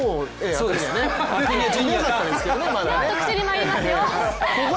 特集にまいりますよ。